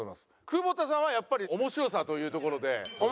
久保田さんはやっぱり面白さというところで。